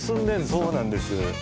そうなんです。